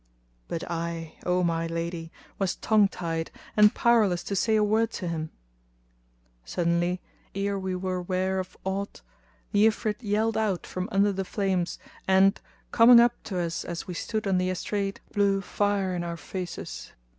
But I, O my lady, was tongue tied and powerless to say a word to him. Suddenly, ere we were ware of aught, the Ifrit yelled out from under the flames and, coming up to us as we stood on the estrade, blew fire in our faces.